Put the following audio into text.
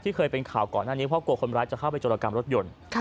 เคยเป็นข่าวก่อนหน้านี้เพราะกลัวคนร้ายจะเข้าไปโจรกรรมรถยนต์